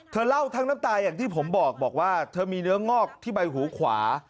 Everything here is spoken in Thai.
เล่าทั้งน้ำตาอย่างที่ผมบอกว่าเธอมีเนื้องอกที่ใบหูขวา